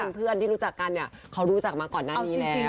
เพื่อนที่รู้จักกันเนี่ยเขารู้จักมาก่อนหน้านี้แล้ว